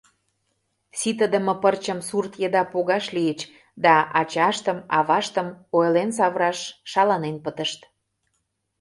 Ситыдыме пырчым сурт еда погаш лийыч да ачаштым, аваштым ойлен савыраш шаланен пытышт.